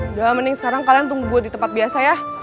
udah mending sekarang kalian tunggu buat di tempat biasa ya